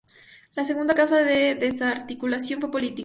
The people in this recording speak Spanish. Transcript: La segunda causa de desarticulación fue política.